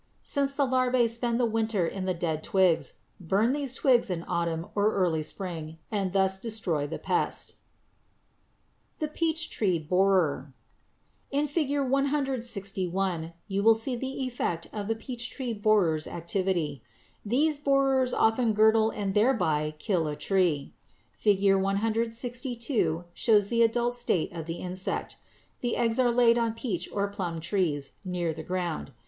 _ Since the larvæ spend the winter in the dead twigs, burn these twigs in autumn or early spring and thus destroy the pest. =The Peach Tree Borer.= In Fig. 161 you see the effect of the peach tree borer's activity. These borers often girdle and thereby kill a tree. Fig. 162 shows the adult state of the insect. The eggs are laid on peach or plum trees near the ground.